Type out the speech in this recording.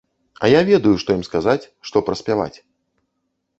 А я ведаю, што ім сказаць, што праспяваць.